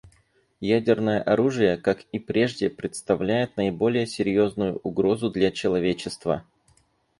Ядерное оружие, как и прежде, представляет наиболее серьезную угрозу для человечества.